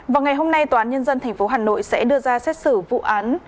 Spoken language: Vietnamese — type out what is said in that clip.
vào ngày hôm nay tòa án nhân dân tp hà nội sẽ đưa ra xét xử vụ án